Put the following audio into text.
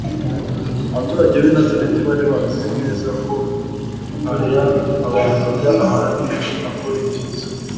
Abaturage b'i Nazareti bari bazi neza ko aya ahantu ajya ahandi akora ibyiza,